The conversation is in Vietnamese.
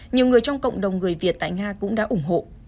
nhiều người trong cộng đồng người việt tại nga cũng đã ủng hộ